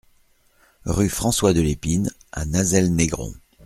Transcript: Rue François Delepine à Nazelles-Négron